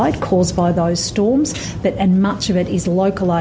dari pintu atau jalan ke pintu depan